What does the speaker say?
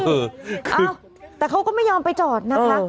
เออแต่เขาก็ไม่ยอมไปจอดนะคะ